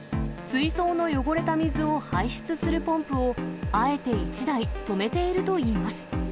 水槽の汚れた水を排出するポンプを、あえて１台止めているといいます。